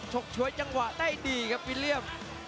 ชกชวยจังหวะได้ดีครับวิลเลี่ยม